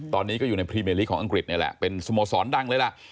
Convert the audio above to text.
ตอนนี้ก็อยู่ในพรีเมลีกของอังกฤษนี่แหละเป็นสโมสรดังเลยล่ะ